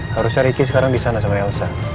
harusnya ricky sekarang disana sama elsa